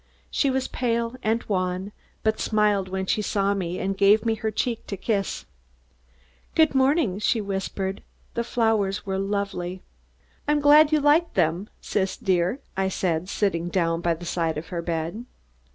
She was pale and wan, but smiled when she saw me and gave me her cheek to kiss. "Good morning," she whispered. "The flowers were lovely." "I'm glad you liked them, Sis, dear," I said, sitting down by the side of her bed.